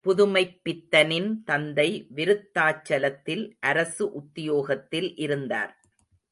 புதுமைப்பித்தனின் தந்தை விருத்தாச்சலத்தில் அரசு உத்தியோகத்தில் இருந்தார்.